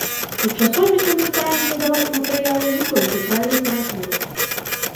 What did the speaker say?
У часопісе мы стараемся даваць матэрыялы не толькі пра літаратуру.